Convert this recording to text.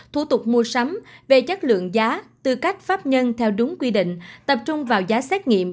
thủ tục mua sắm về chất lượng giá tư cách pháp nhân theo đúng quy định tập trung vào giá xét nghiệm